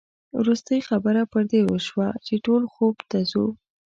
وروستۍ خبره پر دې وشوه چې ټول خوب ته ځو.